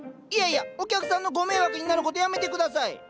いやいやお客さんのご迷惑になることやめてください！